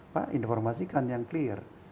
pak informasikan yang clear